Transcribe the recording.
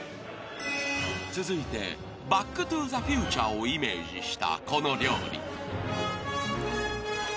［続いて『バック・トゥ・ザ・フューチャー』をイメージしたこの料理］